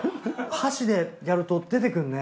箸でやると出てくるね。